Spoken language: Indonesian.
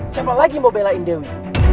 siapa lagi mau belain dewi